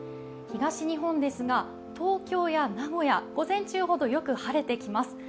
東日本ですが東京や名古屋午前中ほどよく晴れてきます。